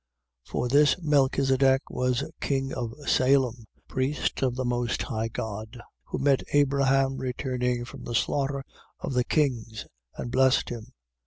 7:1. For this Melchisedech was king of Salem, priest of the most high God, who met Abraham returning from the slaughter of the kings and blessed him: 7:2.